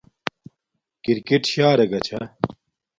کرکِٹ شݳ رݵگݳ چھݳ.